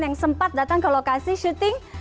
yang sempat datang ke lokasi syuting